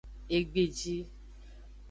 Egbeji.